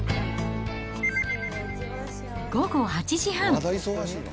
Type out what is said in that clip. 午後８時半。